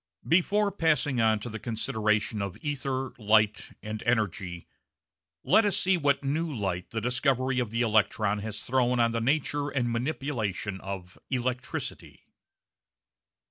Before passing on to the consideration of ether, light, and energy, let us see what new light the discovery of the electron has thrown on the nature and manipulation of electricity.